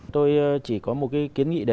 tôi chỉ có một cái kiến nghị đề xuất